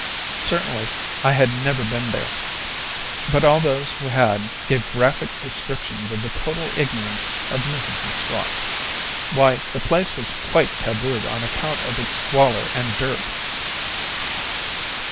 Certainly, I had never been there; but all those who had gave graphic descriptions of the total ignorance of Mrs M'Swat. Why, the place was quite tabooed on account of its squalor and dirt!